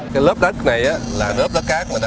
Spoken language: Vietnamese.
cái lớp đất này là lớp đất cát mình đã đào xuống rồi